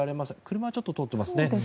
車はちょっと通っていますね。